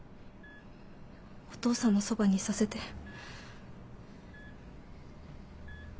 お父さんのそばにいさせて。